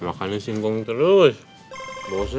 makannya simpong terus